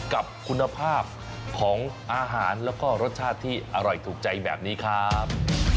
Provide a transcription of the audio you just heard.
ของอาหารแล้วก็รสชาติที่อร่อยถูกใจแบบนี้ครับ